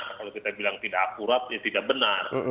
kalau kita bilang tidak akurat ya tidak benar